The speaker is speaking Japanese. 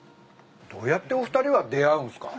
どうやってお二人は出会うんすか？